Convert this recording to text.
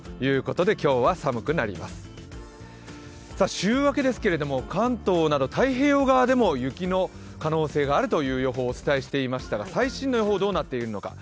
週明けですけども関東など太平洋側でも雪の可能性があるという予報をお伝えしていましたが最新の予報はどうなっているのか。